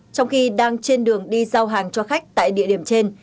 trong khi đang trên đường đi giao hàng cho khách tại địa điểm trên